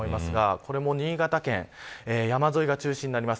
これも新潟県山沿いが中心になります。